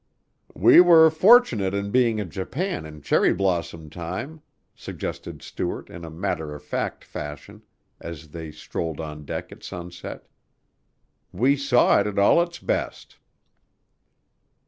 "We were fortunate in being in Japan in cherry blossom time," suggested Stuart in a matter of fact fashion, as they strolled on deck at sunset. "We saw it all at its best."